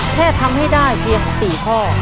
แค่ทำให้ได้เพียง๔ข้อ